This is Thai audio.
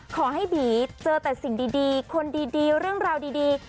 ขอให้บีเจอแต่สิ่งดีคนดีเรื่องราวดี